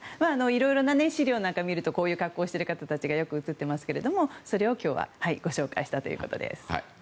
いろいろな資料なんかを見るとこういう格好をしている方たちがよく写ってますけどそれを今日はご紹介したということです。